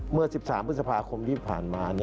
เมื่อ๑๓พฤษภาคมที่ผ่านมา